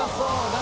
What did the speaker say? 何？